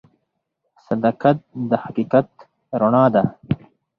صداقت د حقیقت رڼا ده.